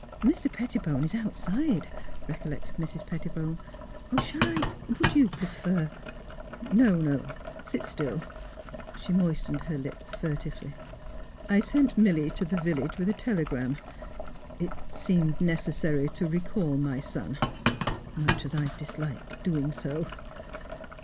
" Mr. Pettibone is outside," recollected Mrs. Pettibone. " Shall I — would you prefer " ''No; sit still." She moistened her lips furtively. " I sent Milly to the village with a telegram. It — seemed necessary to recall my son, much as I dislike doing so."